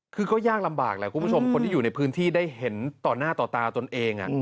คือก็ยากลำบากแหละคุณผู้ชมคนที่อยู่ในพื้นที่ได้เห็นต่อหน้าต่อตาตนเอง